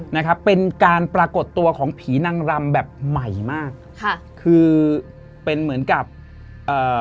นะครับเป็นการปรากฏตัวของผีนางรำแบบใหม่มากค่ะคือเป็นเหมือนกับเอ่อ